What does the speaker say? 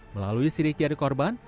melalui siri siri korban